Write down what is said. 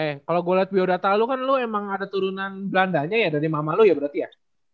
eh kalo gua liat biodata lu kan lu emang ada turunan belandanya ya dari mama lu ya berarti ya